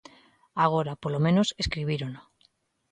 Agora, polo menos, escribírono.